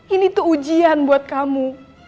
ini tuh ujian buat kamu